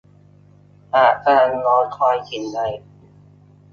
หากกำลังรอคอยสิ่งใด